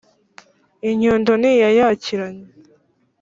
Inyundo ntiyayakiranya,